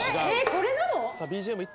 これなの？